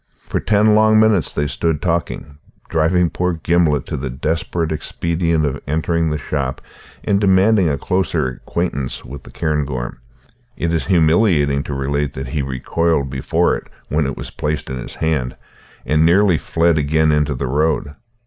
For ten long minutes they stood talking, driving poor Gimblet to the desperate expedient of entering the shop and demanding a closer acquaintance with the cairngorm. It is humiliating to relate that he recoiled before it when it was placed in his hand, and nearly fled again into the road.